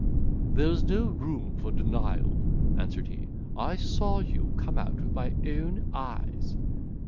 "There is no room for denial," answered he; "I saw you come out with my own eyes."